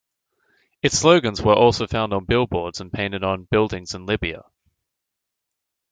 Its slogans were also found on billboards and painted on buildings in Libya.